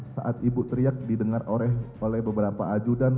saat ibu teriak didengar oleh beberapa ajudan